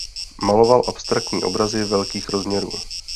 Maloval abstraktní obrazy velkých rozměrů.